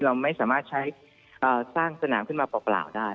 เราไม่สามารถใช้สร้างสนามขึ้นมาเปล่าได้